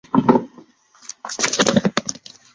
饮品的名字是皮斯可和酸的组合。